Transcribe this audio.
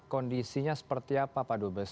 kondisinya seperti apa pak dubes